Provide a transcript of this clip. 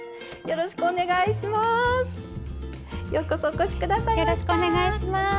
よろしくお願いします。